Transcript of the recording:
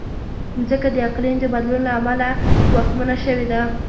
مځکه د اقلیم د بدلون له امله ګواښمنه شوې ده.